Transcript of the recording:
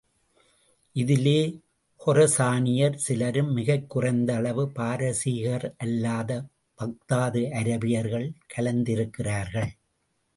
இதிலே கொரசானியர் சிலரும், மிகக் குறைந்த அளவு பாரசீகர்க அல்லது பாக்தாது அராபியர்கள் கலந்திருக்கிறார்கள்.